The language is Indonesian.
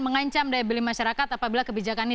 mengancam daya beli masyarakat apabila kebijakan ini